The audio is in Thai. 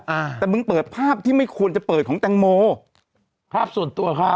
อ่าแต่มึงเปิดภาพที่ไม่ควรจะเปิดของแตงโมภาพส่วนตัวเขา